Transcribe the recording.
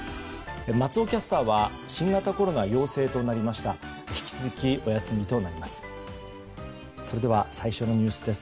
松尾キャスターは新型コロナ陽性となりまして引き続きお休みとなります。